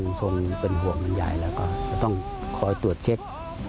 ผมก็ต้องเป็นห่วงบ่นใหญ่แล้วก็คอยตรวจเช็ค